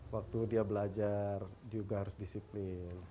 waktu dia belajar juga harus disiplin